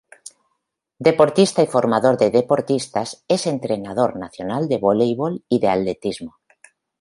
Deportista y formador de deportistas, es entrenador nacional de voleibol y de atletismo.